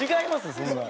そんなん。